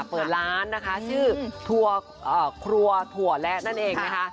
เปิดร้านนะคะชื่อครัวถั่วและนั่นเองนะคะ